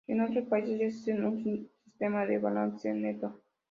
En otros países ya existe un sistema de balance neto.